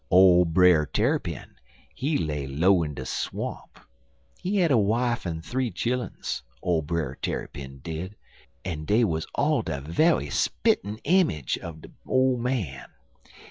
Ole Brer Tarrypin, he lay low in de swamp. He had a wife en th'ee chilluns, old Brer Tarrypin did, en dey wuz all de ve'y spit en image er de ole man.